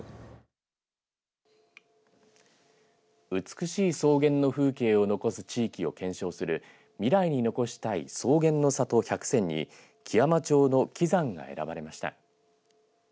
美しい草原の風景を残す地域を顕彰する未来に残したい草原の里１００選に基山町の基山が選ばれました。